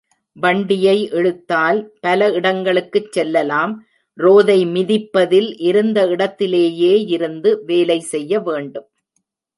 வண்டியை இழுத்தால் பல இடங்களுக்குச் செல்லலாம் ரோதை மிதிப்பதில் இருந்த இடத்திலேயேயிருந்து வேலை செய்ய வேண்டும்.